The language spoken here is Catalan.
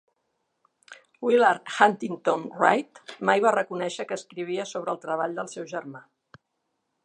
Willard Huntington Wright mai va reconèixer que escrivia sobre el treball del seu germà.